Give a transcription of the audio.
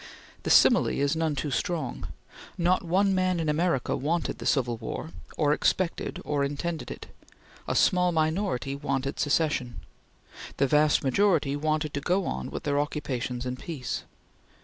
The simile is none too strong. Not one man in America wanted the Civil War, or expected or intended it. A small minority wanted secession. The vast majority wanted to go on with their occupations in peace.